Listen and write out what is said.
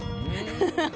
ハハハ。